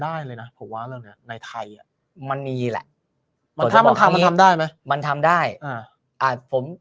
ได้เลยนะผมว่าในไทยมันมีแหละมันทำได้มันทำได้อ่ะผม